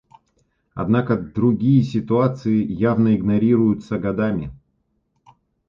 Однако другие ситуации явно игнорируются годами.